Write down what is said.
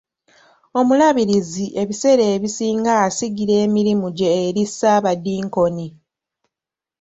Omulabirizi ebiseera ebisinga asigira emirimu gye eri saabadinkoni.